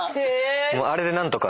あれで何とか。